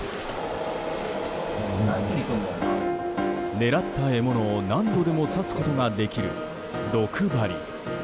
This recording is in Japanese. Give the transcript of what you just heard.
狙った獲物を何度でも刺すことができる毒針。